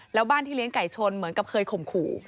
แล้วบ้านที่เลี้ยงไก่ชนเหมือนกับเคยข่มขู่